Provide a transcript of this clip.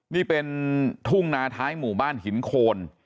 นี่เป็นทุ่งนาท้ายหมู่บ้านหินโคน